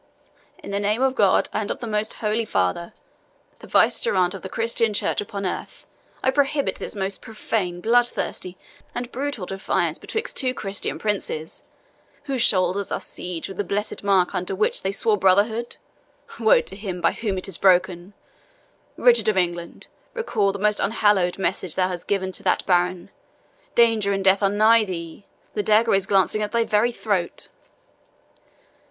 "In the name of God, and of the most holy Father, the vicegerent of the Christian Church upon earth, I prohibit this most profane, bloodthirsty, and brutal defiance betwixt two Christian princes, whose shoulders are signed with the blessed mark under which they swore brotherhood. Woe to him by whom it is broken! Richard of England, recall the most unhallowed message thou hast given to that baron. Danger and death are nigh thee! the dagger is glancing at thy very throat!